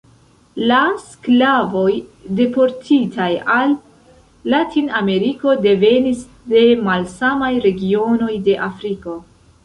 La sklavoj deportitaj al Latinameriko devenis de malsamaj regionoj de Afriko.